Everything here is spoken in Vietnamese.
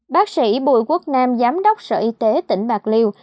bác sĩ bùi quốc nam giám đốc sở y tế tỉnh bạc liêu